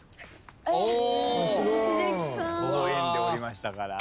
ほほ笑んでおりましたから。